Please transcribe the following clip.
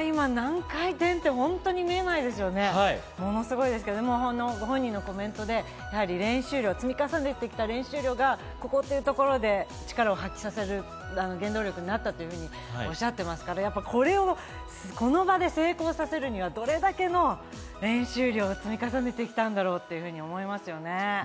今、何回転って本当に見えないですよね、ものすごいですけど、本人のコメントで練習量を積み重ねてきた、練習量がここというところで力を発揮させる、原動力になったとおっしゃってますから、これをこの場で成功させるにはどれだけの練習量を積み重ねてきたんだろうっていうふうに思いますよね。